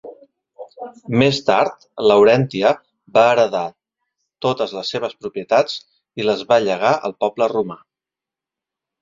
Més tard, Laurèntia va heretar totes les seves propietats i les va llegar al poble romà.